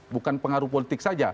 bukan pengaruh politik saja